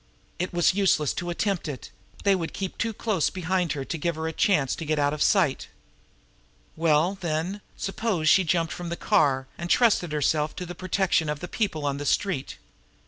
It was useless to attempt it; they would keep too close behind to give her a chance to get out of sight. Well, then, suppose she jumped from the car, and trusted herself to the protection of the people on the street.